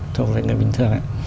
thuộc về người bình thường ấy